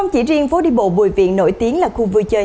chỉ riêng phố đi bộ bùi viện nổi tiếng là khu vui chơi